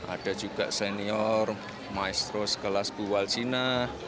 ada juga senior maestro sekelas buwal cina